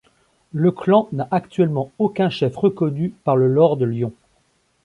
Le clan n'a actuellement aucun chef reconnu par le Lord Lyon.